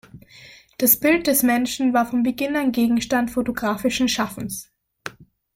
Das Bild des Menschen war von Beginn an Gegenstand photographischen Schaffens.